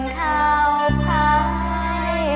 สร้างสร้างวิธีมีชีวิตที่พอเพียง